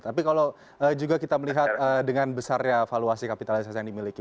tapi kalau juga kita melihat dengan besarnya valuasi kapitalisasi yang dimiliki